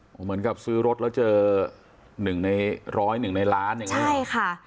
เหมือนกับซื้อรถแล้วเจอหนึ่งในร้อยหนึ่งในล้านอย่างเงี้ใช่ค่ะ